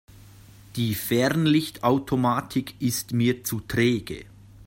Die Fernlichtautomatik ist mir zu träge.